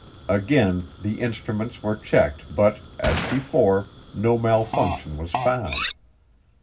Again the instruments were checked but, as before, no malfunction was found.